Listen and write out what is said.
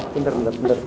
bentar bentar bentar